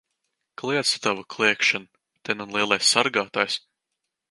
Kliedz tu tavu kliegšanu! Te nu lielais sargātājs!